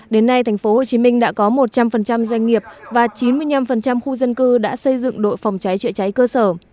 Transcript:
đến nay thành phố hồ chí minh đã có một trăm linh doanh nghiệp và chín mươi năm khu dân cư đã xây dựng đội phòng cháy trị cháy cơ sở